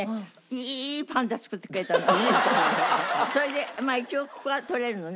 それで一応ここが取れるのね。